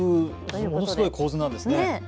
ものすごい構図なんですね。